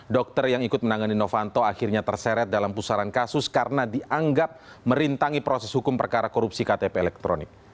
dokter yang ikut menangani novanto akhirnya terseret dalam pusaran kasus karena dianggap merintangi proses hukum perkara korupsi ktp elektronik